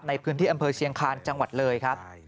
ที่ตำเภอเชียงคารจังหวัดเลยครับ